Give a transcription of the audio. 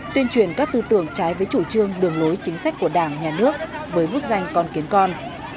tuyên truyền các tư tưởng trái với chủ trương đường lối chính sách của đảng nhà nước với bút danh con kiến con